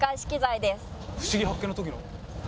『ふしぎ発見！』の時の。